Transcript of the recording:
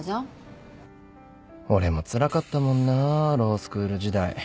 俺もつらかったもんなぁロースクール時代。